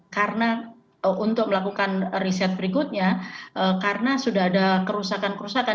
karena untuk melakukan riset berikutnya karena sudah ada kerusakan kerusakan